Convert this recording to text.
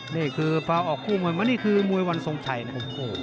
เนี่ยคือพาออกคู่มวยมาคือมวยวันส่งชัยเนี่ย